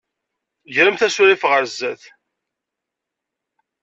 Gremt asurif ɣer sdat.